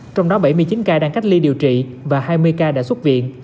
trong đó bảy mươi chín ca đang cách ly điều trị và hai mươi ca đã xuất viện